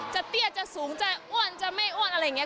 จะเตียดจะสูงจะอ้วนจะไม่อ้วนอะไรนี้